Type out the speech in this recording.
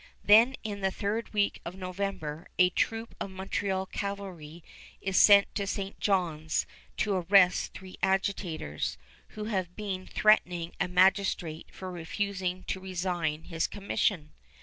Then in the third week of November a troop of Montreal cavalry is sent to St. John's to arrest three agitators, who have been threatening a magistrate for refusing to resign his commission.